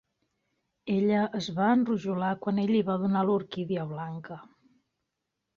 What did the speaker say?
Ella es va enrojolar quan ell li va donar l'orquídia blanca.